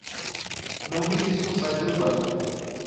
Não vi isso no site do banco